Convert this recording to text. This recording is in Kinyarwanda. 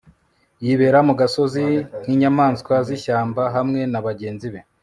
yibera mu gasozi nk'inyamaswa z'ishyamba hamwe na bagenzi be